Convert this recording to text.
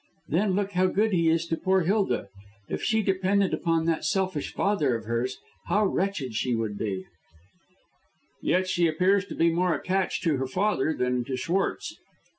Then look how good he is to poor Hilda. If she depended upon that selfish father of hers, how wretched she would be." "Yet she appears to be more attached to her father than to Schwartz."